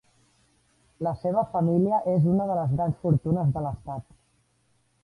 La seva família és una de les grans fortunes de l'Estat.